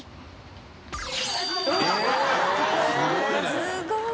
すごい！